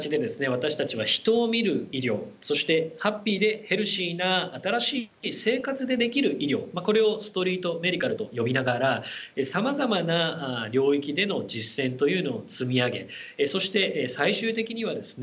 私たちは人を診る医療そしてハッピーでヘルシーな新しい生活でできる医療これをストリート・メディカルと呼びながらさまざまな領域での実践というのを積み上げそして最終的にはですね